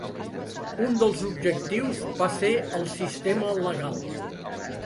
Un dels objectius va ser el sistema legal.